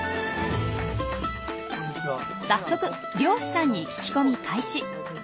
早速漁師さんに聞き込み開始。